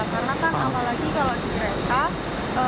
karena kan apalagi kalau di kereta